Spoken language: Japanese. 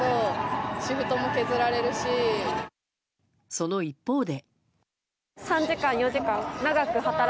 その一方で。